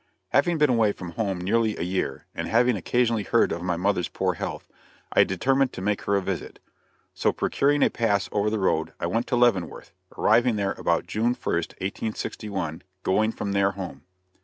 Having been away from home nearly a year, and having occasionally heard of my mother's poor health, I determined to make her a visit; so procuring a pass over the road, I went to Leavenworth, arriving there about June 1st, 1861, going from there home.